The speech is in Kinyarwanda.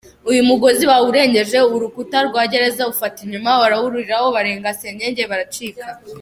Uyu mugozi bawurengeje urukuta rwa gereza ‘ufata inyuma’ bawuririraho barenga senyenge baracika.